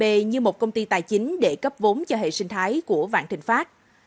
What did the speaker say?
bà lan sử dụng scb như một công ty tài chính để cung cấp vốn cho hệ sinh thái của vạn thịnh pháp